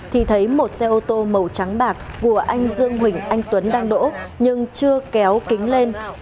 thì thấy một xe ô tô màu trắng bạc của anh dương huỳnh anh tuấn đang đổ nhưng chưa kéo kính lên